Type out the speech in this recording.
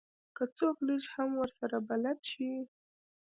که څوک لږ هم ورسره بلد شي.